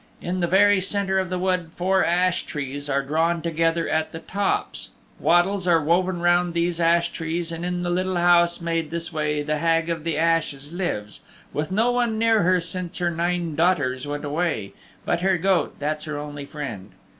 In the very centre of the wood four ash trees are drawn together at the tops, wattles are woven round these ash trees, and in the little house made in this way the Hag of the Ashes lives, with no one near her since her nine daughters went away, but her goat that's her only friend."